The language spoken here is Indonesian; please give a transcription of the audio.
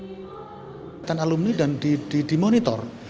ikatan alumni dan dimonitor